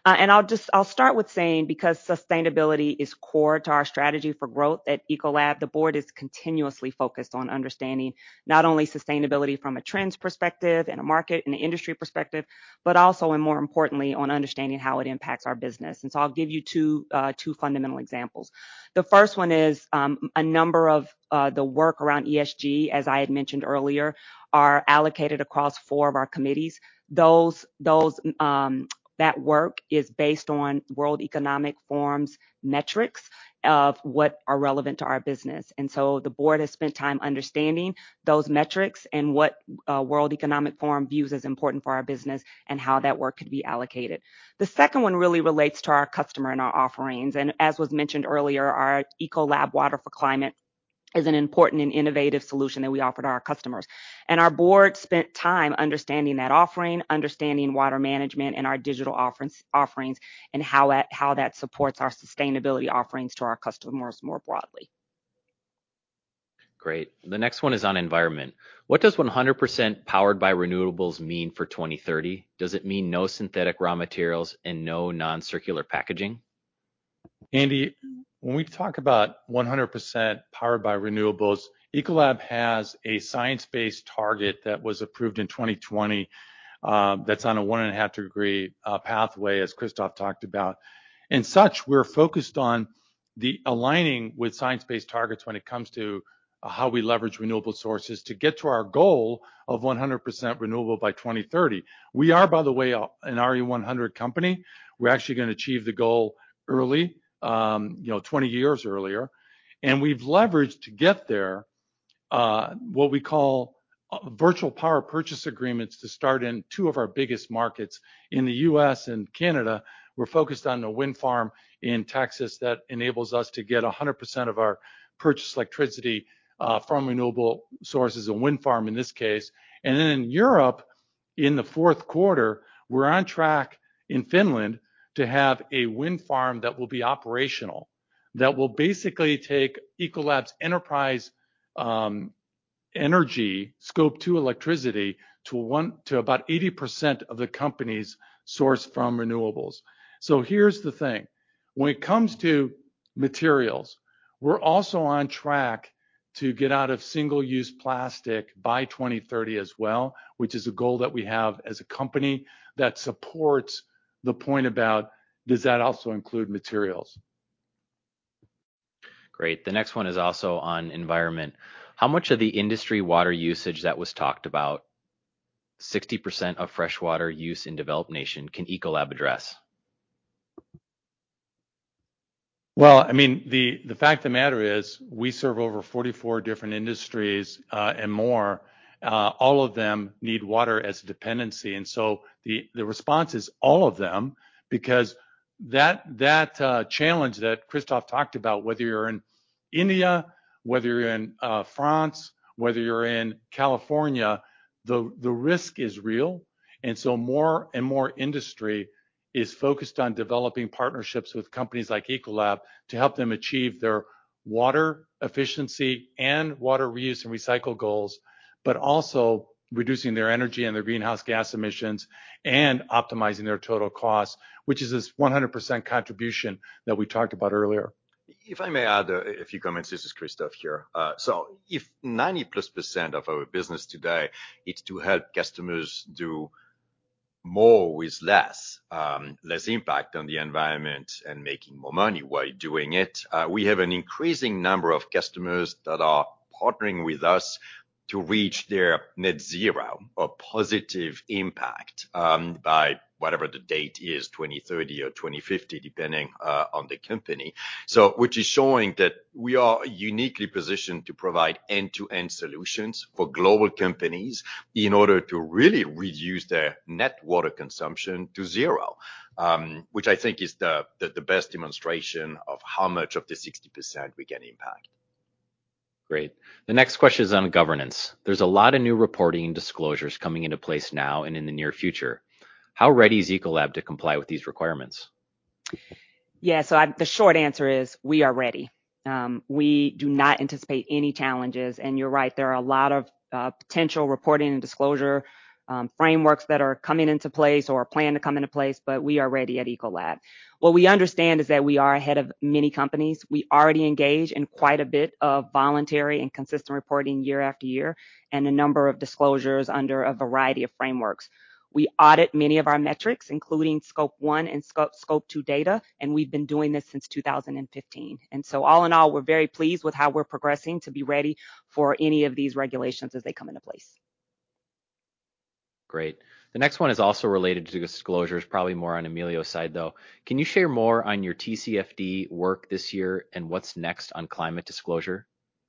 I'll start with saying, because sustainability is core to our strategy for growth at Ecolab, the board is continuously focused on understanding not only sustainability from a trends perspective and a market and an industry perspective, but also, more importantly, on understanding how it impacts our business. I'll give you two fundamental examples. The first one is a number of the work around ESG, as I had mentioned earlier, are allocated across four of our committees. Those that work is based on World Economic Forum's metrics of what are relevant to our business. The board has spent time understanding those metrics and what World Economic Forum views as important for our business and how that work could be allocated. The second one really relates to our customer and our offerings, and as was mentioned earlier, our Ecolab Water for Climate is an important and innovative solution that we offer to our customers. Our board spent time understanding that offering, understanding water management and our digital offerings, and how that supports our sustainability offerings to our customers more broadly. Great. The next one is on environment. What does 100% powered by renewables mean for 2030? Does it mean no synthetic raw materials and no non-circular packaging? Andy, when we talk about 100% powered by renewables, Ecolab has a science-based target that was approved in 2020, that's on a 1.5-degree pathway, as Christophe talked about. We're focused on the aligning with science-based targets when it comes to how we leverage renewable sources to get to our goal of 100% renewable by 2030. We are, by the way, an RE100 company. We're actually gonna achieve the goal early, you know, 20 years earlier. We've leveraged to get there, what we call, virtual power purchase agreements to start in two of our biggest markets. In the U.S. and Canada, we're focused on a wind farm in Texas that enables us to get 100% of our purchased electricity from renewable sources, a wind farm in this case. In Europe, in the fourth quarter, we're on track in Finland to have a wind farm that will be operational, that will basically take Ecolab's enterprise energy, Scope 2 electricity, to about 80% of the company's source from renewables. Here's the thing: when it comes to materials, we're also on track to get out of single-use plastic by 2030 as well, which is a goal that we have as a company that supports the point about, does that also include materials? Great. The next one is also on environment. How much of the industry water usage that was talked about, 60% of freshwater use in developed nation, can Ecolab address? Well, I mean, the fact of the matter is, we serve over 44 different industries, and more, all of them need water as a dependency. The response is all of them, because that challenge that Christophe talked about, whether you're in India, whether you're in France, whether you're in California, the risk is real. More and more industry is focused on developing partnerships with companies like Ecolab to help them achieve their water efficiency and water reuse and recycle goals, but also reducing their energy and their greenhouse gas emissions and optimizing their total cost, which is this 100% contribution that we talked about earlier. If I may add a few comments. This is Christophe here. If 90%+ of our business today is to help customers do more with less, less impact on the environment and making more money while doing it, we have an increasing number of customers that are partnering with us to reach their net zero or positive impact by whatever the date is, 2030 or 2050, depending on the company. Which is showing that we are uniquely positioned to provide end-to-end solutions for global companies in order to really reduce their net water consumption to zero, which I think is the best demonstration of how much of the 60% we can impact. Great. The next question is on governance. There's a lot of new reporting and disclosures coming into place now and in the near future. How ready is Ecolab to comply with these requirements? The short answer is: we are ready. We do not anticipate any challenges, and you're right, there are a lot of potential reporting and disclosure frameworks that are coming into place or plan to come into place, but we are ready at Ecolab. What we understand is that we are ahead of many companies. We already engage in quite a bit of voluntary and consistent reporting year after year, and a number of disclosures under a variety of frameworks. We audit many of our metrics, including Scope 1 and Scope 2 data, and we've been doing this since 2015. All in all, we're very pleased with how we're progressing to be ready for any of these regulations as they come into place. Great. The next one is also related to disclosures, probably more on Emilio's side, though. Can you share more on your TCFD work this year, and what's next on climate disclosure?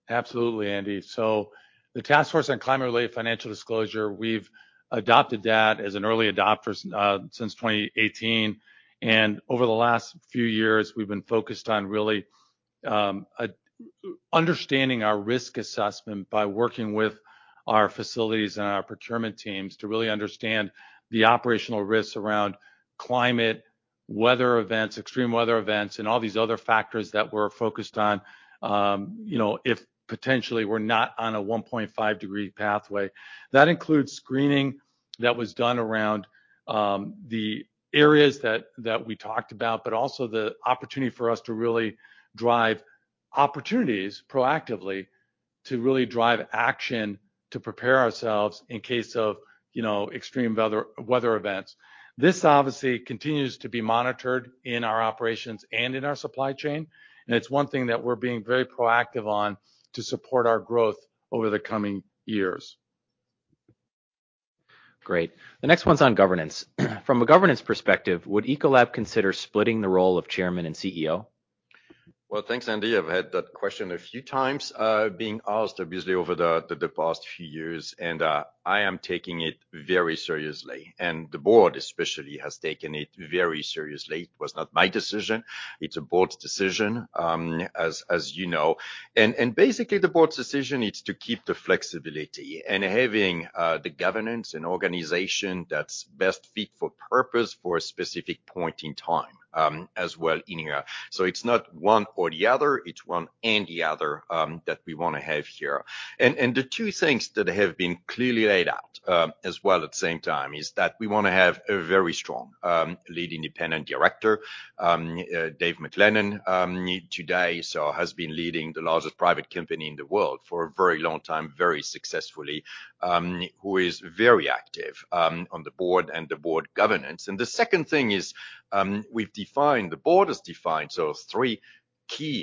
Absolutely, Andy. The Task Force on Climate-related Financial Disclosures, we've adopted that as an early adopter since 2018, and over the last few years, we've been focused on really understanding our risk assessment by working with our facilities and our procurement teams to really understand the operational risks around climate, weather events, extreme weather events, and all these other factors that we're focused on. You know, if potentially we're not on a 1.5 degree pathway. That includes screening that was done around the areas that we talked about, but also the opportunity for us to really drive opportunities proactively, to really drive action to prepare ourselves in case of, you know, extreme weather events. This obviously continues to be monitored in our operations and in our supply chain, and it's one thing that we're being very proactive on to support our growth over the coming years. Great. The next one's on governance. From a governance perspective, would Ecolab consider splitting the role of chairman and CEO? Well, thanks, Andy. I've had that question a few times, being asked obviously over the past few years, I am taking it very seriously, and the board especially has taken it very seriously. It was not my decision. It's a board's decision, as you know. Basically, the board's decision is to keep the flexibility and having the governance and organization that's best fit for purpose for a specific point in time, as well in here. So it's not one or the other, it's one and the other, that we want to have here. The two things that have been clearly laid out, as well at the same time, is that we want to have a very strong, lead independent director. Dave MacLennan today has been leading the largest private company in the world for a very long time, very successfully, who is very active on the board and the board governance. The second thing is, the board has defined three key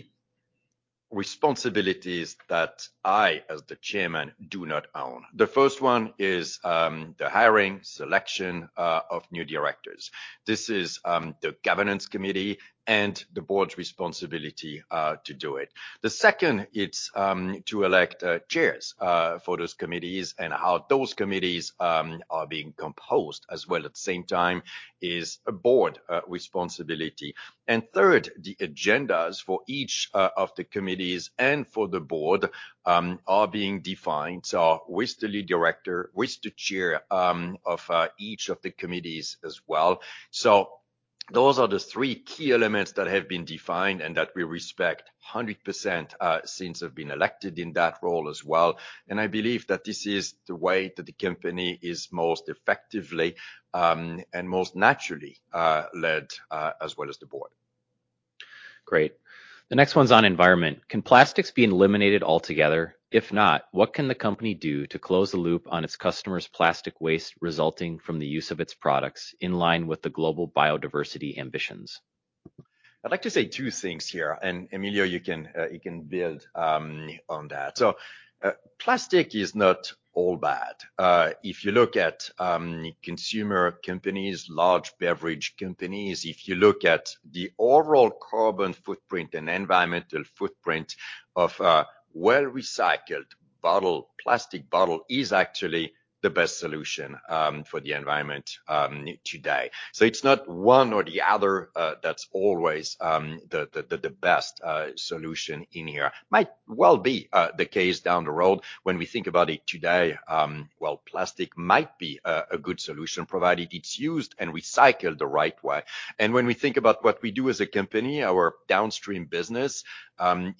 responsibilities that I, as the chairman, do not own. The first one is, the hiring, selection of new directors. This is the governance committee and the board's responsibility to do it. The second, it's to elect chairs for those committees and how those committees are being composed as well, at the same time, is a board responsibility. Third, the agendas for each of the committees and for the board are being defined. With the lead director, with the chair of each of the committees as well. Those are the three key elements that have been defined and that we respect 100% since I've been elected in that role as well. I believe that this is the way that the company is most effectively and most naturally led as well as the board. Great. The next one's on environment: Can plastics be eliminated altogether? If not, what can the company do to close the loop on its customers' plastic waste resulting from the use of its products in line with the global biodiversity ambitions? I'd like to say two things here, and Emilio, you can, you can build on that. Plastic is not all bad. If you look at consumer companies, large beverage companies, if you look at the overall carbon footprint and environmental footprint of a well-recycled bottle, plastic bottle is actually the best solution for the environment today. It's not one or the other, that's always the best solution in here. Might well be the case down the road. When we think about it today, well, plastic might be a good solution, provided it's used and recycled the right way. When we think about what we do as a company, our downstream business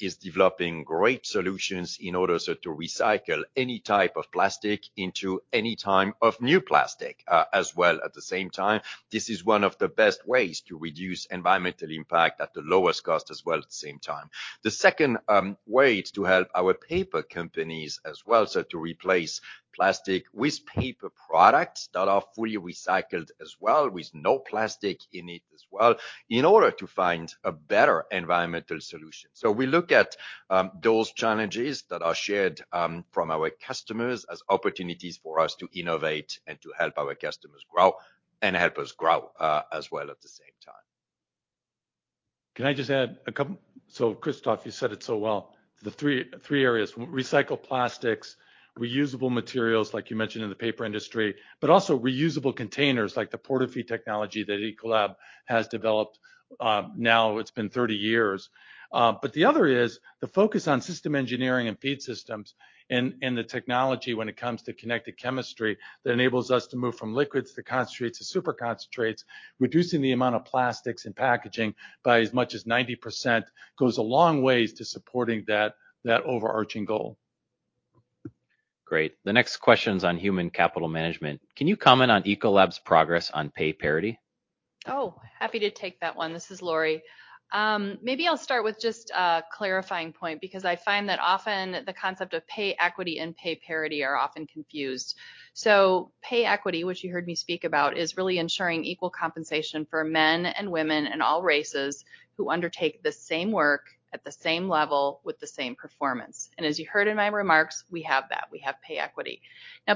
is developing great solutions in order so to recycle any type of plastic into any time of new plastic as well, at the same time. This is one of the best ways to reduce environmental impact at the lowest cost as well, at the same time. The second way to help our paper companies as well, so to replace plastic with paper products that are fully recycled as well, with no plastic in it as well, in order to find a better environmental solution. We look at those challenges that are shared from our customers as opportunities for us to innovate and to help our customers grow and help us grow as well, at the same time. Can I just add a couple? Christophe, you said it so well. The three areas: recycle plastics, reusable materials, like you mentioned in the paper industry, but also reusable containers like the PORTA-FEED technology that Ecolab has developed, now it's been 30 years. But the other is the focus on system engineering and feed systems and the technology when it comes to connected chemistry that enables us to move from liquids to concentrates to super concentrates, reducing the amount of plastics and packaging by as much as 90% goes a long way to supporting that overarching goal. Great. The next question's on human capital management: Can you comment on Ecolab's progress on pay parity? Happy to take that one. This is Laurie. Maybe I'll start with just a clarifying point, because I find that often the concept of pay equity and pay parity are often confused. Pay equity, which you heard me speak about, is really ensuring equal compensation for men and women and all races who undertake the same work at the same level with the same performance. As you heard in my remarks, we have that. We have pay equity.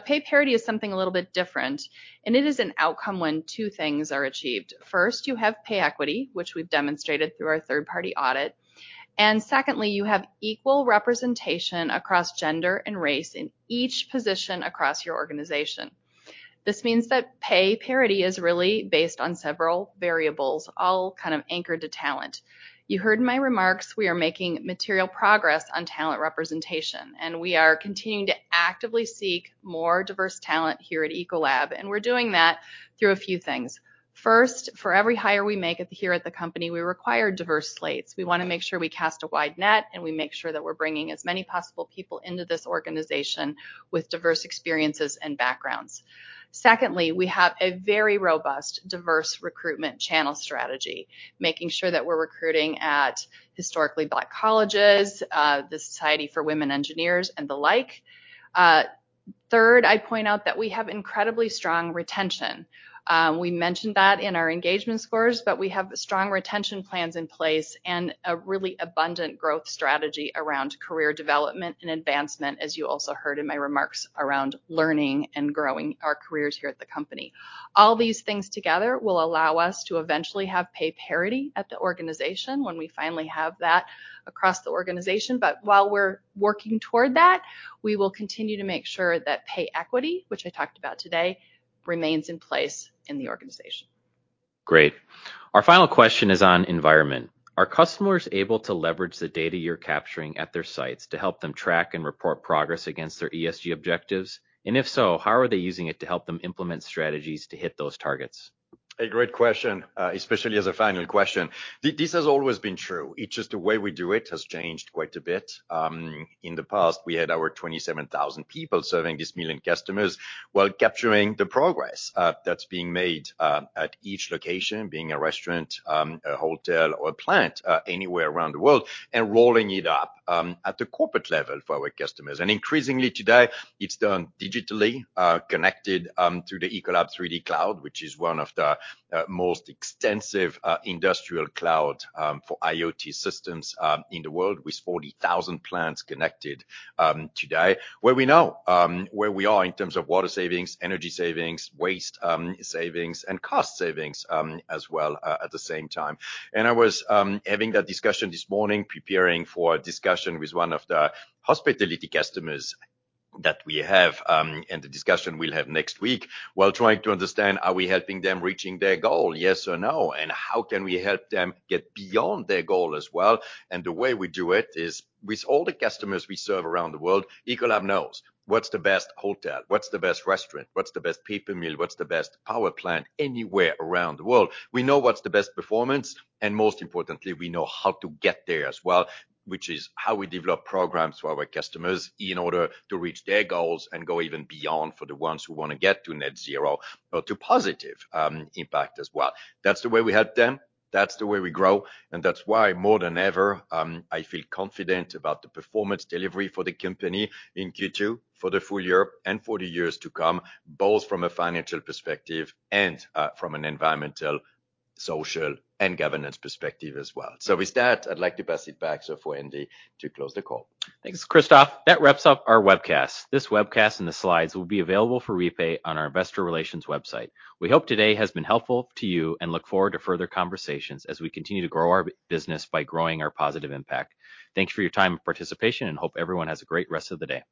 Pay parity is something a little bit different, and it is an outcome when two things are achieved. First, you have pay equity, which we've demonstrated through our third-party audit, and secondly, you have equal representation across gender and race in each position across your organization. This means that pay parity is really based on several variables, all kind of anchored to talent. You heard in my remarks, we are making material progress on talent representation, and we are continuing to actively seek more diverse talent here at Ecolab, and we're doing that through a few things. First, for every hire we make here at the company, we require diverse slates. We wanna make sure we cast a wide net, and we make sure that we're bringing as many possible people into this organization with diverse experiences and backgrounds. Secondly, we have a very robust, diverse recruitment channel strategy, making sure that we're recruiting at historically Black colleges, the Society of Women Engineers, and the like. Third, I point out that we have incredibly strong retention. We mentioned that in our engagement scores, we have strong retention plans in place and a really abundant growth strategy around career development and advancement, as you also heard in my remarks around learning and growing our careers here at the company. All these things together will allow us to eventually have pay parity at the organization when we finally have that across the organization. While we're working toward that, we will continue to make sure that pay equity, which I talked about today, remains in place in the organization. Great. Our final question is on environment. Are customers able to leverage the data you're capturing at their sites to help them track and report progress against their ESG objectives? If so, how are they using it to help them implement strategies to hit those targets? A great question, especially as a final question. This has always been true. It's just the way we do it has changed quite a bit. In the past, we had our 27,000 people serving these 1 million customers while capturing the progress that's being made at each location, being a restaurant, a hotel, or a plant anywhere around the world, and rolling it up at the corporate level for our customers. Increasingly today, it's done digitally, connected through the ECOLAB3D cloud, which is one of the most extensive industrial cloud for IoT systems in the world, with 40,000 plants connected today, where we know where we are in terms of water savings, energy savings, waste savings, and cost savings as well at the same time. I was having that discussion this morning, preparing for a discussion with one of the hospitality customers that we have, and the discussion we'll have next week, while trying to understand, are we helping them reaching their goal, yes or no? How can we help them get beyond their goal as well? The way we do it is, with all the customers we serve around the world, Ecolab knows what's the best hotel, what's the best restaurant, what's the best paper mill, what's the best power plant anywhere around the world. We know what's the best performance, and most importantly, we know how to get there as well, which is how we develop programs for our customers in order to reach their goals and go even beyond for the ones who wanna get to net zero or to positive impact as well. That's the way we help them, that's the way we grow, and that's why, more than ever, I feel confident about the performance delivery for the company in Q2, for the full year, and for the years to come, both from a financial perspective and from an environmental, social, and governance perspective as well. With that, I'd like to pass it back so for Andy to close the call. Thanks, Christophe. That wraps up our webcast. This webcast and the slides will be available for replay on our investor relations website. We hope today has been helpful to you and look forward to further conversations as we continue to grow our business by growing our positive impact. Thank you for your time and participation. Hope everyone has a great rest of the day.